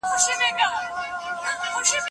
شاګرد خپله مسوده خپل استاد ته وسپارله.